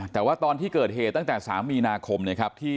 แต่ว่าตอนที่เกิดเหตุตั้งแต่๓ปีนาคน